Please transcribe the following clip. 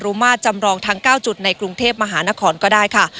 รุมาตรจำรองทั้ง๙จุดในกรุงเทพมหานครก็ได้ค่ะ